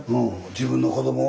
自分の子どもを？